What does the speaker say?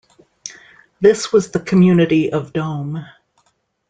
This was the community of Dome.